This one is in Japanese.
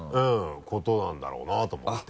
ことなんだろうなと思って。